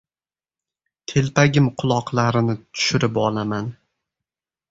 Telpagim quloqlarini tushirib olaman.